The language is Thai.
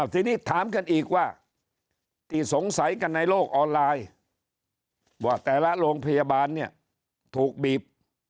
ทีนี้ถามกันอีกว่าที่สงสัยกันในโลกออนไลน์ว่าแต่ละโรงพยาบาลเนี่ยถูกบีบ